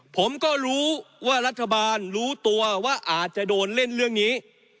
ผมก็รู้ว่ารัฐบาลรู้ตัวว่าอาจจะโดนเล่นเรื่องนี้